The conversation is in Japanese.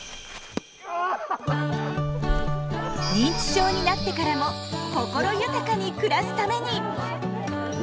認知症になってからも心豊かに暮らすために！